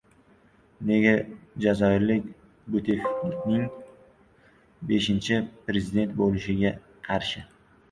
Nega jazoirliklar Buteflikaning «beshinchi prezident» bo‘lishiga qarshi?